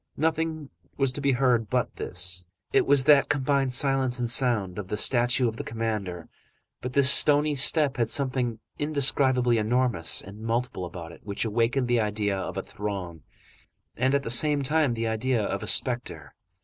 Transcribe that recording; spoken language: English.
Nothing was to be heard but this. It was that combined silence and sound, of the statue of the commander, but this stony step had something indescribably enormous and multiple about it which awakened the idea of a throng, and, at the same time, the idea of a spectre.